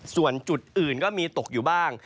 ส่วนจุดอื่นก็มีตกอยู่บ้าง